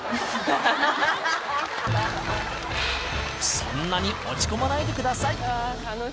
そんなに落ち込まないでください